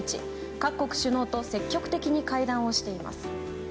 各国首脳と積極的に会談しています。